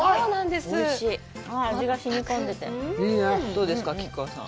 どうですか、菊川さん。